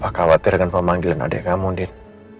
khawatir dengan pemanggilan adik kamu din